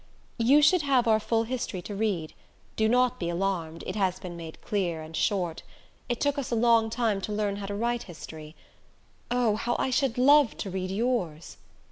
"You should have our full history to read do not be alarmed it has been made clear and short. It took us a long time to learn how to write history. Oh, how I should love to read yours!"